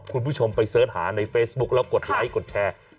คุณผู้ชมไปเสิร์ชหาในเฟซบุ๊คแล้วกดไลค์กดแชร์